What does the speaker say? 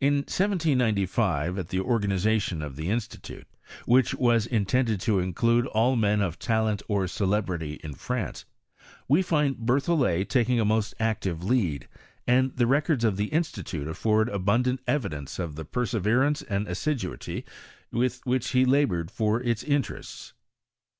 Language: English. In 1795, at the organization of the Institute, which was intended to include all men of talent or celebrity in France, we find Berthollet taking a moK active lead ; and the records of the Institute afford abundant evidence of the perseverance and assiduitT with which he laboured for its interests.